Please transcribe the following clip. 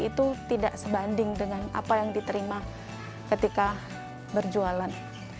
itu tidak sebanding dengan apa yang diterima ketika berjualan